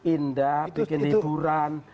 indah bikin liburan